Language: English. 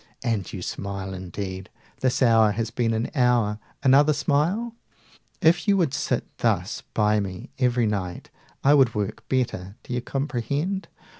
And you smile indeed! This hour has been an hour! Another smile? If you would sit thus by me every night 205 I should work better, do you comprehend?